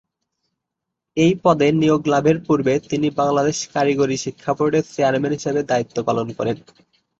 এই পদে নিয়োগ লাভের পূর্বে তিনি বাংলাদেশ কারিগরি শিক্ষা বোর্ডের চেয়ারম্যান হিসেবে দায়িত্ব পালন করেন।